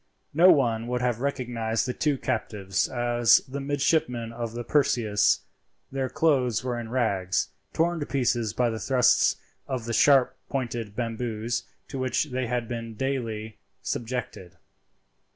No one would have recognized the two captives as the midshipmen of the Perseus. Their clothes were in rags—torn to pieces by the thrusts of the sharp pointed bamboos, to which they had daily been subjected.